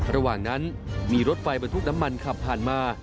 ระหว่างนั้นมีรถไฟบรรทุกน้ำมันขับผ่านมา